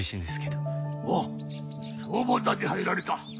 ああ消防団に入られた。